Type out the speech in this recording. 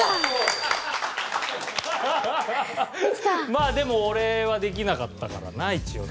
まあでも俺はできなかったからな一応。